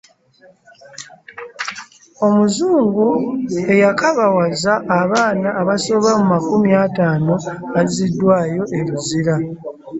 Omuzungu eyakabawaza abaana abasoba mu makumi ataano azziddwayo e Luzira.